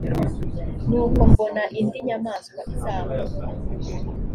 nuko mbona indi nyamaswa izamuka